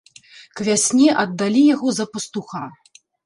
К вясне аддалі яго за пастуха.